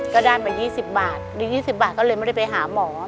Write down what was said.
ก็ได้มา๒๐บาทหรือ๒๐บาทก็เลยไม่ได้ไปหาหมอ